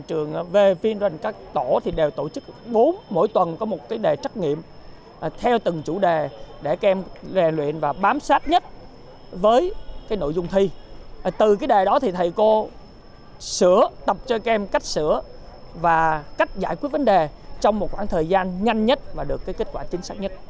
trong một khoảng thời gian nhanh nhất và được kết quả chính xác nhất